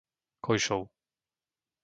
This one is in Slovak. Kojšov